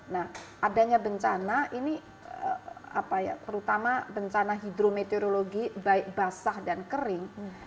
nah adanya bencana ini terutama bencana hidrometeorologi baik basah dan kering